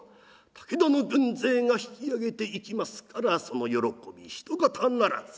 武田の軍勢が引き揚げていきますからその喜び一方ならず。